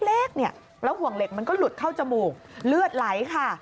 เล็กเนี่ยแล้วห่วงเหล็กมันก็หลุดเข้าจมูกเลือดไหลค่ะ